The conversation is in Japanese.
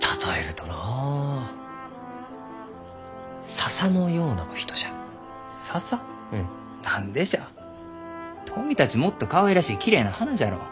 どう見たちもっとかわいらしいきれいな花じゃろう？